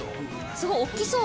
すごい大っきそう。